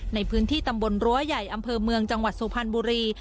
ในพื้นที่ตำบลรั้วใหญ่อำเภอเมืองจังหวัดสุพรรณบุรี